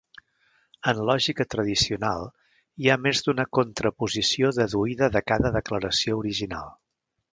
En lògica tradicional, hi ha més d'una contraposició deduïda de cada declaració original.